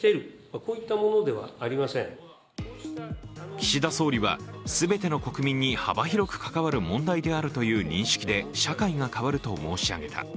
岸田総理は、全ての国民に幅広く関わる問題であるという認識で社会が変わると申し上げた。